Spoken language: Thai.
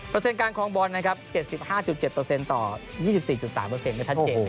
เปอร์เซ็นต์การคล้องบอล๗๕๗ต่อ๒๔๓เป็นชัดเจน